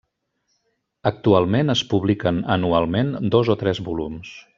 Actualment, es publiquen anualment dos o tres volums.